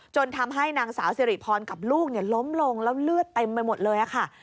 ทำให้นางสาวสิริพรกับลูกล้มลงแล้วเลือดเต็มไปหมดเลยค่ะ